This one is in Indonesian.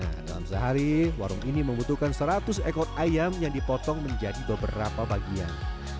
nah dalam sehari warung ini membutuhkan seratus ekor ayam yang dipotong menjadi beberapa bagian